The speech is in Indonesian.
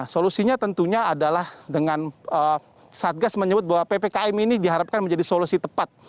solusinya tentunya adalah dengan satgas menyebut bahwa ppkm ini diharapkan menjadi solusi tepat